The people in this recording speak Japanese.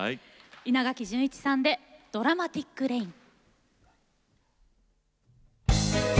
稲垣潤一さんで「ドラマティック・レイン」。